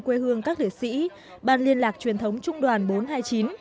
quê hương các liệt sĩ ban liên lạc truyền thống trung đoàn bốn trăm hai mươi chín